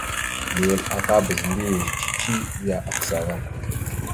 Nʉwel aka bazə mbiyez cici ya kəsa ava.